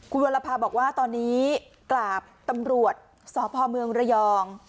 คุณวรภาบอกว่าตอนนี้กราบตำรวจสพเมืองระยอง